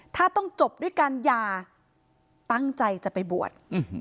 ถ้าต้องจบด้วยการหย่าตั้งใจจะไปบวช